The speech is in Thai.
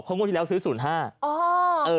งวดที่แล้วซื้อ๐๕